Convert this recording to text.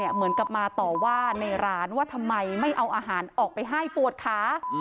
เหมือนกับมาต่อว่าในร้านว่าทำไมไม่เอาอาหารออกไปให้ปวดขา